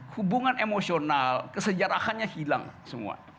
hubungan emosional kesejarahannya hilang semua